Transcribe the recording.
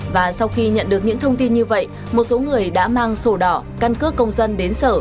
và sau khi nhận được những thông tin như vậy một số người đã mang sổ đỏ căn cước công dân đến sở